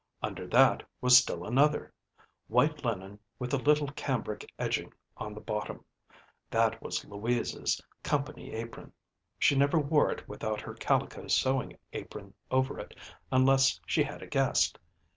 Under that was still another white linen with a little cambric edging on the bottom; that was Louisa's company apron. She never wore it without her calico sewing apron over it unless she had a guest.